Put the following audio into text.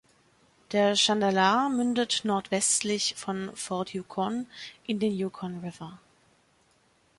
Der Chandalar mündet nordwestlich von Fort Yukon in den Yukon River.